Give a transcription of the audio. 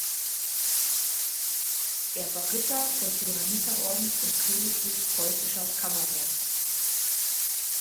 Er war Ritter des Johanniterordens und königlich preußischer Kammerherr.